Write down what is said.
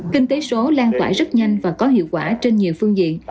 kinh tế số lan tỏa rất nhanh và có hiệu quả trên nhiều phương diện